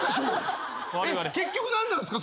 結局何なんすか？